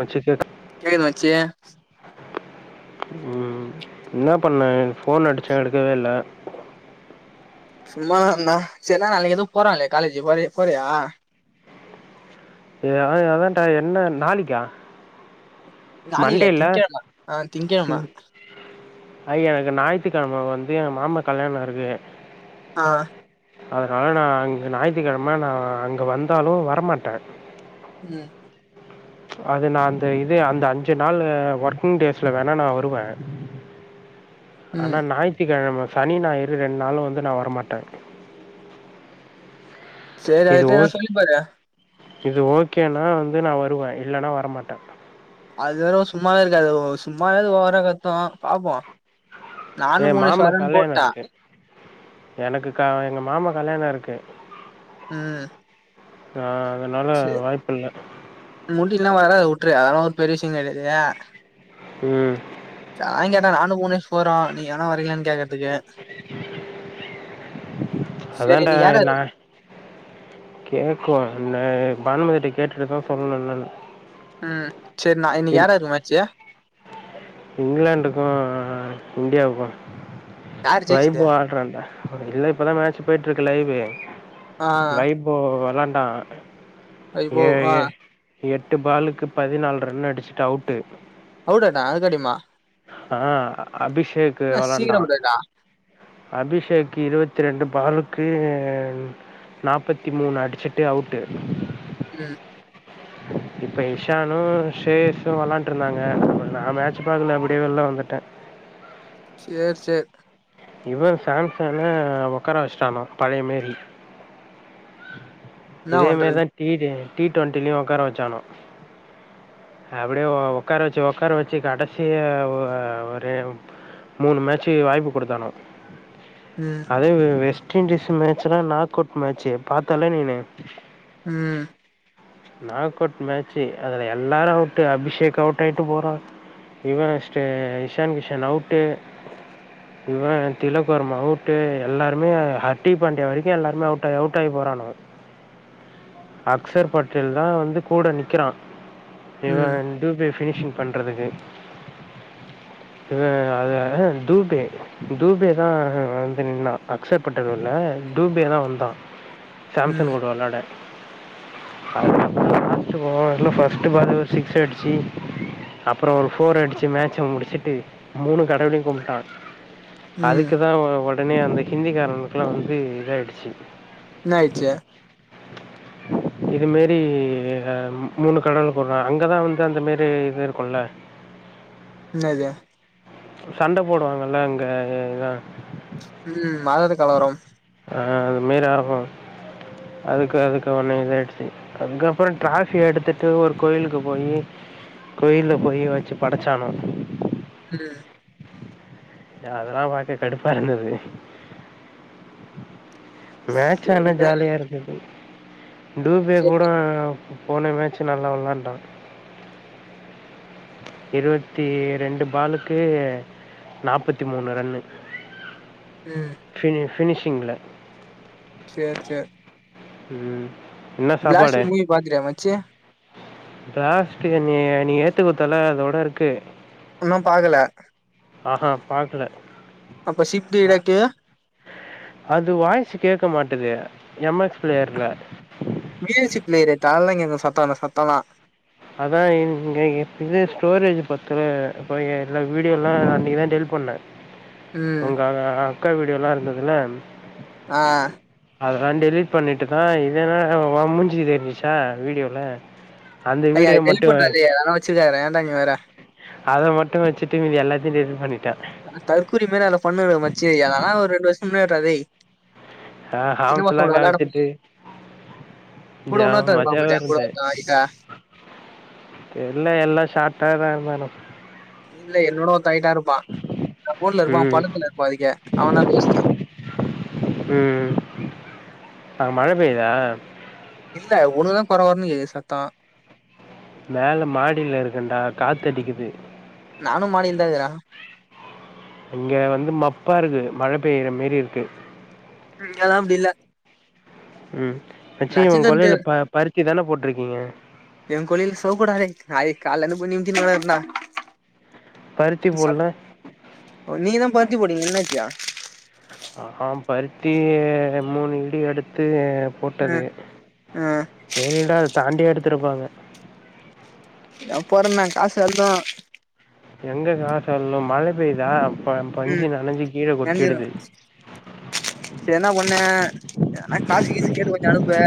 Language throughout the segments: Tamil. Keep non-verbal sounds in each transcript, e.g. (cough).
வச்சுக கேள் மச்சி ம் இன்ன பண்ண எனக் ஃபோன் அடிச்சே எடுக்கவே இல்ல சும்மா தா அண்ணா சேர் என்ன நாளைக்கி எதோ போறாளே காலேஜ் போறி போறியா ஏ அதா அதான்டா என்ன நாளிக்கா நாளைக்கி இல்ல திங்கெழம அ திங்கெழம ஐ எனக்கு ஞாயித்துகெழம வந்து எ மாமா கல்யாண இருக்கு ஆ அதனால நா அங்க ஞாயித்துகெழம நா அங்க வந்தாலு வரமாட்டே ம் அது நா அந்த இது அந்த அஞ்சு நாளு ஒர்க்கிங் டேஸ்ல வேணா நா வருவே அனா ம் ஞாயித்திகெழம சனி ஞாயிறு ரெண்டு நாளு வந்து நா வரமாட்டே சரி இது ஆயிட்டா ஓகே சொல்லிப்பாரு இது ஓகேன்னா வந்து நா வருவே இல்லன்னா வரமாட்டே அதுறோ சும்மாவே இருக்காது சும்மாவாவே ஓவரா கத்து பாப்போ நானு ஏ மூணு மாமா சவரன் போட்ட கல்யாணம் இருக்குது எனக்கு க எங்க மாமா கல்யாண இருக்கு ம் ஆ அதனால வாய்ப்பு இல்ல முடில்லா வேற உட்ரு அதெல்லா ஒரு பெரிய விஷ்ய கெடயாது வேற ம் சான் கேட்டே நானு மூனியஷ் போறோ நீ ஏனா வர்ரிங்களானு கேக்குறதுக்கு சரி அதான்ட இன்னைக்கு யார் யாரு நா கேக்கு என்ன பானுமதிட்ட கேட்ருக்கோ சொன்னன்ல ம் சரி நா இன்க்கு யாராரு மேட்ச்சு இங்குலாண்டுக்கு இந்தியாவுக்கு யாரு ஜெயிச்சது வைபு ஆடுறான்டா இல்ல இப்பதா மேட்ச் போய்ட்டு இருக்கு லைவு ஆ வை இப்போ வெளாண்டா ஐ போ ஏ ஆ ஏ எட்டு பாலுக்கு பதினாலு ரன் அடிச்சுட்டு அவுட்டு் அவ்ளோதா அதுக்காடிமா ஆ அபிஷேக் வளாண்டா சீக்கிரோ அவுட் ஆயிட்டா அபிஷேக்கு இருவத்தி ரெண்டு பாலுக்கு நாப்பத்தி மூணு அடிச்சிட்டு அவுட்டு ம் இப்ப இஷானு ஷேயஸு வளான்ட்டு இருந்தாங்க நா மேட்சு பாக்கல அப்டியே வெளில வந்துட்டே சேர் சேர் இவ சாம்சன ஒக்கார வச்ட்டானா பழைய மாரி என்னா இதே பண்றது மாரிதா டி டே டி டுவெண்ட்டிலயு ஒக்கார வச்சானா அப்டியே ஒ ஒக்கார வச்சு ஒக்கார வச்சி கடைசி ஒ ஒரு மூணு மேட்சு வாய்ப்பு குடுத்தானு ம் அதே வெஸ்ட் இண்டீஸ் மேட்ச்லா நாக் அவுட் மேட்சு பாத்தாலே நீனு ம் நாக் அவுட் மேட்சு அதுல எல்லாரு அவுட் அபிஷேக் அவுட் ஆயிட்டு போறா இவ ஷ்ஷே இஷான் கிஷன் அவுட்டு இவன் திலக்குவர்மா அவுட்டு எல்லாருமே ஹட்டி பாண்டிய வரைக்கு எல்லாருமே அவுட் ஆயி அவுட் ஆயி போறானுவோ அக்சர் பட்டேல் தா வந்து கூட நிக்கிறா இவ ம் டூ பே பினிஷிங் பண்றதுக்கு அ அ அதுஹ துபே டூ பே தா வந்து நின்டா அக்சர் பட்டலேல டூ பே தா வந்தா ம் சாம்சன் ஓட வெளாட (unintelligible) ஃபஸ்ட் ஓவர்ல ஃபஸ்ட் ஃபஸ்டு பால்லே சிக்ஸ் அடிச்சி அப்புறோ ஒரு ஃபோர் அடிச்சு மேட்ச முடிச்சுட்டு மூணு கடவுளையு கும்ட்டா ம் அதுக்குதா ஒடனே அந்த ஹிந்தி காரனுக்குல்லா வந்து இதாயிடுச்சு என்ன ஆயிச்சி இது மாரி மூணு கடவுலு போடுற அங்கே தான் வந்து அந்தமாரி இது இருக்கும்ல என்னது சண்ட போடுவாங்கல்ல அங்க இதா ம் மதத்து கலவரம் ஆ அது மாரி ஆகும் அதுக்கு அதுக்கு ஒண்ண இதயிடுச்சு அதுக்கப்புறோ டிராபி எடுத்துட்டு ஒரு கோயிலுக்கு போயி கோயில போய் வச்சு படச்சானா ம் அதெல்லா பாக்க கடுப்பா இருந்தது மேட்ச் ஆனா சேரிடா ஜாலியா இருந்தது டூபே கூட சேரி போன மேட்சு நல்லா விளாண்டா இருபத்தி ரெண்டு பாலுக்கு நாற்பத்தி மூணு ரன்னு ம் ஃபினி ஃபினிஷிங்கில்ல சேர் சேர் ம் என்ன பிளாஸ்ட் சாப்பாடு மூவி பாத்தியா மச்சி லாஸ்ட்டு நீ நீ ஏத்து குடுத்தால அதோட இருக்கு ஒன்னு பாக்கல ஆ ஹா பாக்கல அப்ப சிப்ட்டு அ இடாக்கே அது வாய்சு கேட்க மாட்டது எம் எக்ஸ் பிளயர்ல பி எக்ஸ் சி பிளேயர் எடுத்தா அதுலதா கேக்கு சத்தமான சத்தம் எல்லா அதா இங்கேயு இது ஸ்டோரேஜ் பத்தல இப்போ எல்லா வீடியோலா இன்னைக்கு தா டெலிட் பண்ண ம் உங்க அ அக்கா வீடுயெல்லா இருந்ததுல ஆ அதலா டெலிட் பண்ணிட்டு தா இதுதா உ மூஞ்சி தெரிஞ்சிச்சா வீடியோல அந்த ஐய வீடியோ டெலிட் மட்டும் பண்ணுடா அதைய அதெல்லா வச்சு இருக்காத ஏன்டா நீ வேற அத மட்டு வச்சுட்டு மீதி எல்லாத்தையு டெலிட் பண்ணிட்டே தற்கூரி மாரி அதெல்லா பண்ணாத மச்சு அதெல்லா ஒரு ரெண்டு வருஷம் முன்னாடி டா டேய் ஆ சின்ன ஆம்ஸ் எல்லா பசங்களோட வெளாடும் போது காமிச்சுட்டு கூட ஜம் இன்னொருத்த இருப்பா மஜாவா போலடே எங்கூட இருந்த ஒருத்த ஹைட்டா தெர்ல எல்லா ஷார்ட்டாதா இருந்தானு டீம்ல என்னோட ஒருத்தா ஹெயிட்டா இருப்பா கபோர்டுல இருப்பா ம், பள்ளத்துல இருப்பா அதுகே அவன் தா தோஸ்த்து ம் ம் ம் அ மழ பெய்தா இல்ல உன்னுதா கொரகொரன்னு கேட்குது சத்தோ மேலா மாடியில இருக்கன்டா காத்தடிக்குது நானு மாடியில தா இருக்குற இங்க வந்து மப்பா இருக்கு மழ பெய்ற மாரி இருக்கு இங்கெல்லா அப்டி இல்ல ம் மச்சி ஒங்க நட்சத்திரத்து கொல்லையில ப பருத்தி தான போட்டு இருக்கீங்க என் கொல்லையில (unintelligible) காலைல காலைல இருந்து போய் நின்னுட்டு வரேன் டா பருத்தி போடுல ஓ நீங்க தா பருத்தி போடிங்க என்னாச்சா ஆ ஆ பருத்தி மூணு ஈடு எடுத்து போட்டது ம் ம் ஏழுடா அத தாண்டியு எடுத்துருப்பாங்க இதோ போறண்ண காசு வந்ரு எங்க காசு வல்ல மழ பெய்தா ப ம் பஞ்சு நனஞ்சி கீழ கொட்டிடுது செ என்னா பண்ணு எதனா காசு கீசு கேட்டு கொஞ்ச அனுப்பு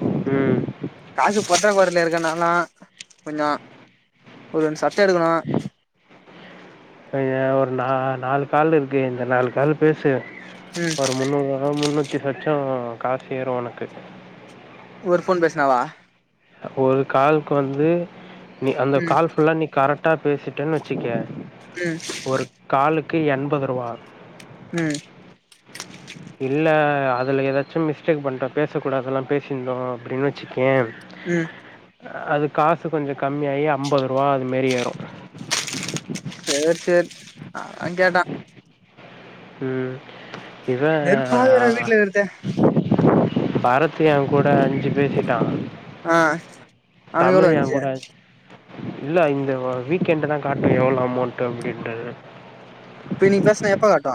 ம் காசு பொற்றா கொரில இருக்க நலா கொஞ்சோ ஒர் ரெண் சட்ட எடுக்கணு ஐ ய ஒரு நா நாலு கால் இருக்கு இந்த நால் காலு பேசு ம் ஒரு முந்நூறுவா முந்நூத்தி சொச்சோ காஸ் ஏறு ஒனக்கு ஒரு ஃபோன் பேஸ்னாவா ஒரு கால்க் வந்து நீ அந்த ம் கால் ஃபுல்லா நீ கரக்டா பேசிடன் வச்சிக்க ம் ஒரு காலுக்கு எண்பதுருவா ம் இல்ல அதுல எதாச்சு மிஸ்டேக் பண்ற பேச கூடதல்லா பேசிந்தோ அப்புடின் வச்சுக்யே ம் அது காசு கொஞ்ச கம்மிஆயி அம்பதுருவா அது மேரி ஏறு சேர் சேர் அதா கேட்ட ம் இவ அ வெறுப்பாகுதுடா வீட்ல இருக்கறது பாரத்து ஏ கூட அஞ்சி பேசிட்டா அ தமிழ் ஏங்கூட இல்ல இந்த வ வீக் எண்டுதா காட்டு எவ்ளோ அமோண்ட்டு அப்டின்றது பு இனிக் பேஸ்னா எப்ப காட்டு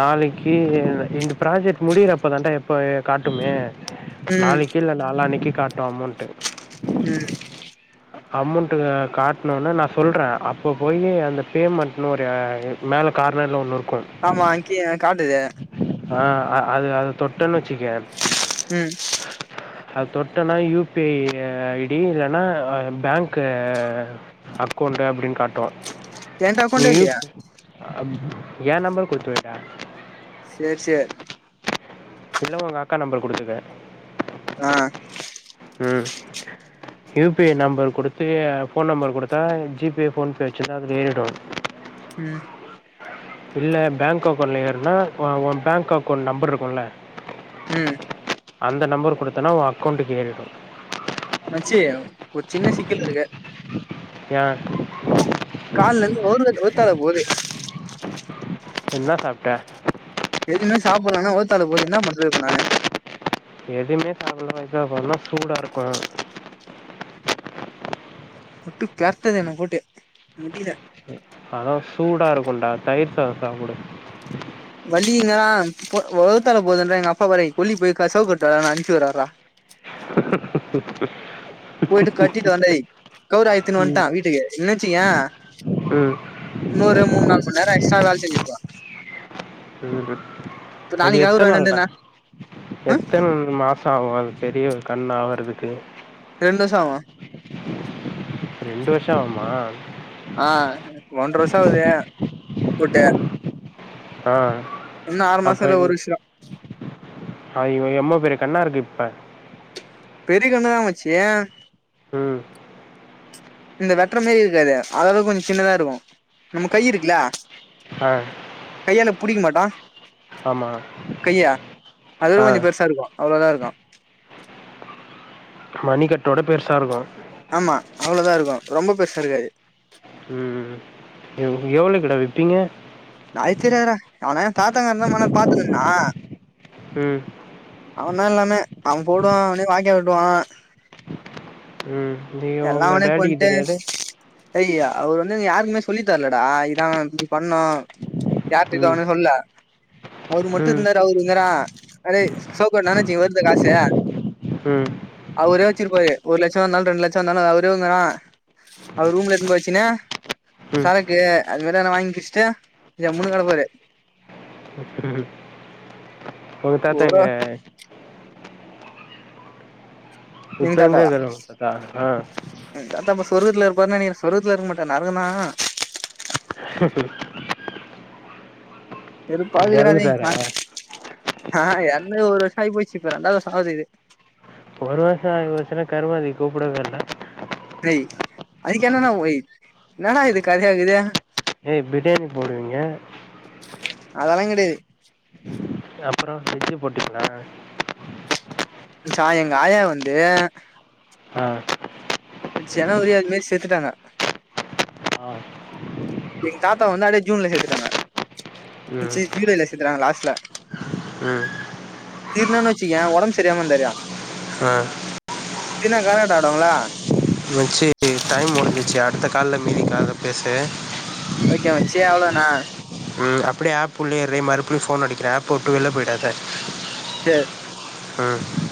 நாளக்கி இந்த ப்ராஜெக்ட் முடிய்றப்ப தாண்டா எப்ப காடுமே ம் நாளக்கி இல்ல நாளானைக்கு காட்டு அமோண்ட்டு ம் உ (unintelligible) அம்மோண்ட்டு காட்ணவொனே நா சொல்ற அப்ப போயி அந்த பெமண்ட் ஒரு எ இத் மேல கார்னர்ல ஒன்னு இருக்கு ஆமா அக்கிய காட்டுது அ அ அது அது தொட்டன் வச்சிக்யே ம் அத் தொட்னா யூபிஐ ஐடி இல்லனா பேங்க்கு அக்கோண்டு அப்புடின் காட்டு என்ட்ட நீ அக்கௌண்டே யூப் இல்லையா அம் ஏ நம்பர் குடுத்து வைடா சேர் சே இல்ல ஒங்க அக்கா நம்பர் குடுத்துக்க அ ம் யுபிஐ நம்பர் குடுத்து ஃபோன் நம்பர் குடுத்தா ஜிபே ஃபோன்பே வச்சிர்ந்தா அதுல ஏறிடு ம் இல்ல பேங்க் அக்கோண்ட்ல ஏறுனா ஒ ஒ பேங்க் அக்கோண்ட் நம்பர்ருக்கு இல்ல ம் அந்த நம்பர் குடுத்தனா ஓ அக்கோண்ட்டுக்கு ஏறிடு மச்சி ஒரு சின்ன சிக்கல் இருக்கு யா கால்லேந்து வவுறுவல் வூத்தால போது என்ன சாப்டா எதுவுமே சாப்டலா ஆன வவூத்தால போது என்ன பண்றது இப்ப நானு எதுவுமே சாப்படல வவூத்தால போதுன சூடா இருக்கும் போட்டு தாக்குது என்ன போட்டு முடில அதா சூடா இருக்குடா தயிர் சாதம் சாப்புடு வலிங்றா போ வவூத்தால போகுதுன்றோ எங்க அப்பா வர கொல்லி போய் கசவு போட்டு வாடனு அனுப்பி விடுறாருடா ஹாஹாஹா போயிட்டு கத்திட்டு வந்தே கவுரு அர்த்துனு ம் வன்டான் வீட்டுக்கு இல்ல வச்சுகியா ம் நூறு மூனு நாலு மணி நேர ஆ (unintelligible) ம் இப்ப அது நாளைக்கு எத்த கவுரு வாங்கிட்டு வந்து நாள்டா நா ஆ எத்தன் மா சம் ஆவும் பெரிய கண் ஆவர்றதுக்கு ரெண்டு வருஷம் ஆவும் ரெண்டு வருஷம் ஆவுமா ஆ ஒன்ற வருஷம் ஆவுது போட்டு ஆ இன்னம் ஆறு மாசல ஒரு விஷ அ இவ எம்ம பெரிய கண்ணா இருக்கு இப்ப பெரிய கண்ணு தா மாச்சிய ம் இந்த வெட்டுற மாரி இருக்காது அதவு கொஞ்சம் சின்னதா இருக்கும் நம்ம கை இருக்குல ஆ கையால புடிக்க மாட்டோம் ஆமா. கையா ஆ. அதும் கொஞ்சம் பெருசா இருக்கும் அவ்ளோ தா இருக்கும் மணிக்கட்டோட பெருசா இருக்கும் ஆமா அவ்ளோதா இருக்கும் ரொம்ப பெருசா இருக்காது ம் எவலவுகுட விப்பீங்க அது தெரியது டா அவன தாத்தாகாரன் தா மொன்ன பாத்து நின்னா ம் அவன் தா எல்லாமே அவன் போடுவான் அவனே வாய்க வெட்டுவான் ம் நீ உங்க டாடிக்கு தெரியாது அய்யா அவரு வந்து யாருக்குமே சொல்லித்தர்லடா இதுதா இப்டி பண்ணும் யாருடக்கு ம். அவனு சொல்ல அவரு மட்டும் ம். இருந்தாரு அவரு வந்தாரா அதே நெனைச்சி வருது காசு ம். அவரே வச்சிருப்பாரு ஒரு லட்சம்னாலு ரெண்டு லட்சம்னாலு அவரேனா அவர் ரூம்ல எடுத்துனு போய் வெச்சின்னு ம். சரக்கு அது மாரி வாங்கிக் குடிச்சிட்டு ஜம்முன்னு கெடப்பாரு உங்க தாத்தா ஒரு எங்க இப்ப எங்க இருக்காரு உங்க தாத்தா தாத்தா இப்ப சொர்கத்துல இருப்பாருன்னா நெனகிறே சொர்கத்துல இருக்க மாட்டாரு நரக தா ஹ (unintelligible) எறந்துட்டாரா? அ இறந்து ஒரு வருஷம் ஆகி போயிச்சு இப்ப ரெண்டாவது வருஷம் ஆகுது ஒரு வருசம் ஆயி போயிசன்னா கருமாதி கூப்டவேயில்ல அய் அதுக்கு என்னா ஓய் ஏன்னாட இது கதையா இகுது ஏ பிரியாணி போடுவீங்க அதெல்லா கெடயாது அப்புற வெஜ்ஜு போட்டுக்கலா சாய் எங்க ஆயா வந்து ஆ ஜனவரி அது மேரி செத்துட்டாங்க ஆ எங்க தாத்தா வந்தாலே ஜூன்ல செத்துட்டாங்க ம். சி ஜூலைல செத்துட்டாங்க லாஸ்ட்ல ம். தீர்னான்னு வச்சுக்கோய ஒடம்பு சரில்லாம இருந்தாரு ஆ தீனா கரகாட்டோ ஆடுவாங்கல்ல மச்சி டைம் முடிஞ்சுச்சு அடுத்த கால்ல மீதி கால்ல பேசு ஓகே மச்சி அவ்வளோனா ம் அப்டியே ஆப் உள்ளேயே இரு மறுபடியு ஃபோன் அடிக்கிறே ஆப்ப உட்டு வெள்ல போயிடாத சேரி ம்